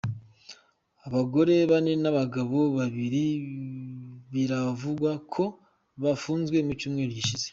Abagore bane n’abagabo babiri biravugwa ko bafunzwe mu cyumweru gishize.